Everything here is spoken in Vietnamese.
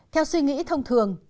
theo suy nghĩ thông thường